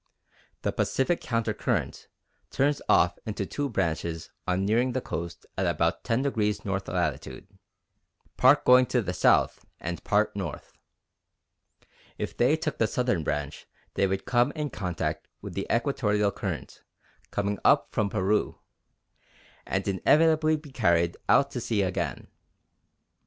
The Pacific Counter Current turns off into two branches on nearing the coast at about 10° north latitude, part going to the south and part north. If they took the southern branch they would come in contact with the Equatorial Current coming up from Peru, and inevitably be carried out to sea again.